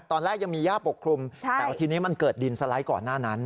ตอนแรกยังมีย่าปกคลุมแต่ว่าทีนี้มันเกิดดินสไลด์ก่อนหน้านั้น